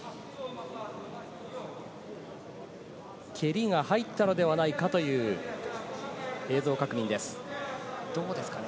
蹴りが入ったのではないかというどうですかね？